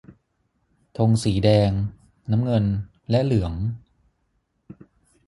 ธงสีแดง น้ำเงิน และเหลือง